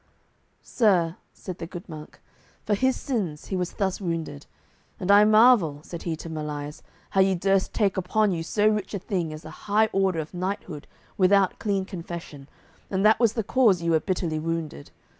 "Sir," said the good monk, "for his sins he was thus wounded; and I marvel," said he to Melias, "how ye durst take upon you so rich a thing as the high order of knighthood without clean confession, and that was the cause ye were bitterly wounded.